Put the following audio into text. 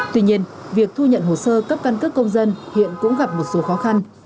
tuy nhiên việc thu nhận hồ sơ cấp căn cước công dân hiện cũng gặp một số khó khăn